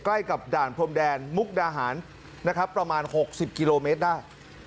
ใกล้กับด่านพรมแดนมุกดาหารนะครับประมาณ๖๐กิโลเมตรได้